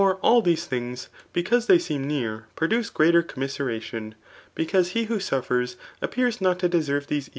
all these thijigs, betause they seem oeauTy j^rpdtice greater commiseratioii ; because he who aufiers, appears not to deserve ihese.